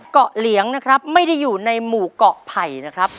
เหลียงนะครับไม่ได้อยู่ในหมู่เกาะไผ่นะครับ